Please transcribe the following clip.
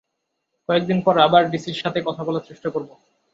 কয়েকদিন পর আবার ডিসির সাথে কথা বলার চেষ্টা কর।